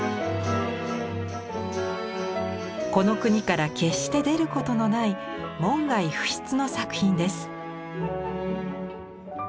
この国から決して出ることのない門外不出の作品です。